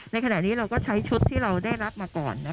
ในขณะนี้เราก็ใช้ชุดที่เราได้รับมาก่อน